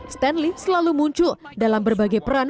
stan lee selalu muncul dalam berbagai peran